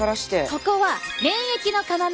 ここは免疫の要。